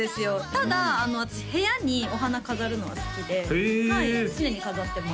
ただ私部屋にお花飾るのは好きでへえはい常に飾ってます